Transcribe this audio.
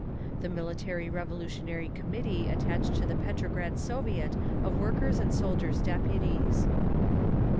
_The Military Revolutionary Committee Attached to the Petrograd Soviet of Workers' and Soldiers' Deputies.